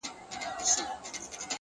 د زمان رحم ـ رحم نه دی؛ هیڅ مرحم نه دی،